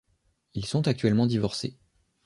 Ils sont actuellement divorcés.